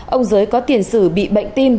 ông giới có tiền sử bị bệnh tim